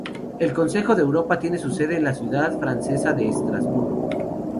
El Consejo de Europa tiene su sede en la ciudad francesa de Estrasburgo.